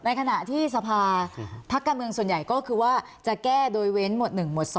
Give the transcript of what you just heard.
ขณะที่สภาพการเมืองส่วนใหญ่ก็คือว่าจะแก้โดยเว้นหวด๑หมวด๒